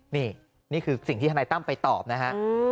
นี่นี่คือสิ่งที่ทนายตั้มไปตอบนะฮะ